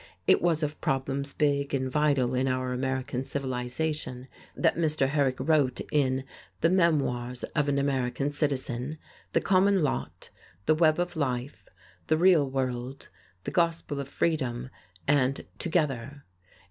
It was of problems big and vital in our American civilization that Mr. Herrick wrote in "The Memoirs of an American Citizen," "The Common Lot," "The Web of Life," "The Real World," "The Gospel of Freedom," and "Together."